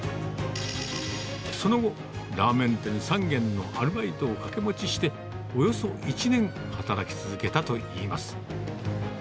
その後、ラーメン店３軒のアルバイトを掛け持ちして、およそ１年働き続けたといいます。